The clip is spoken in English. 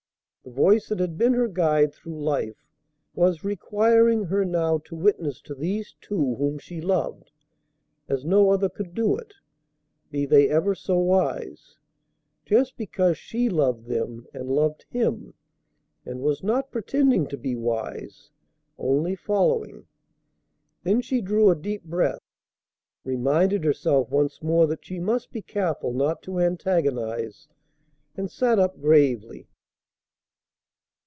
The voice that had been her guide through life was requiring her now to witness to these two whom she loved, as no other could do it, be they ever so wise; just because she loved them and loved Him, and was not pretending to be wise, only following. Then she drew a deep breath, reminded herself once more that she must be careful not to antagonize, and sat up gravely.